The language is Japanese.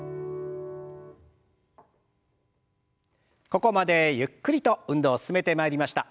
ここまでゆっくりと運動進めてまいりました。